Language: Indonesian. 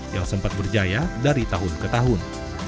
yang sempat berjaya dari tahun ke tahun